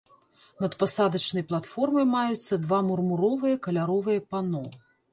Над пасадачнай платформай маюцца два мармуровыя каляровыя пано.